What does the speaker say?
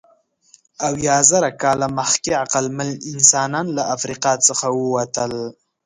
اویازره کاله مخکې عقلمن انسانان له افریقا څخه ووتل.